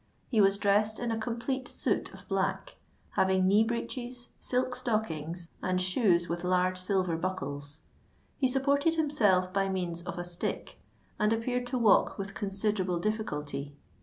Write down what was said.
He was dressed in a complete suit of black, having knee breeches, silk stockings, and shoes with large silver buckles. He supported himself by means of a stick, and appeared to walk with considerable difficulty.